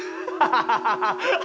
ハハハハハ！